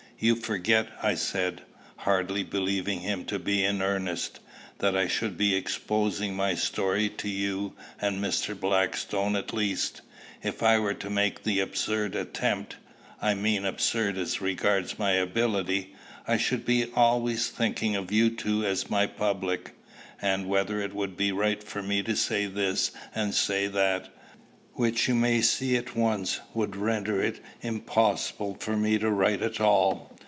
"You forget," I said, hardly believing him to be in earnest, "that I should be exposing my story to you and Mr. Blackstone at least. If I were to make the absurd attempt, I mean absurd as regards my ability, I should be always thinking of you two as my public, and whether it would be right for me to say this and say that; which you may see at once would render it impossible for me to write at all."